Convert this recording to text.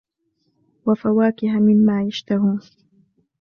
وفواكه مما يشتهون